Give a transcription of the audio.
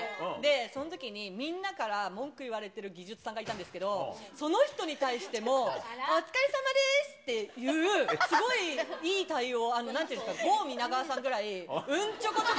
そのときにみんなから文句言われている技術さんがいたんですけど、その人に対しても、お疲れさまですっていう、すごいいい対応、なんていうんですか、ゴー皆川さんみたいに。